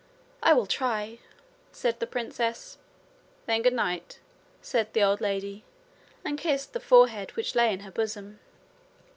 'I will try,' said the princess. 'Then good night,' said the old lady, and kissed the forehead which lay in her bosom.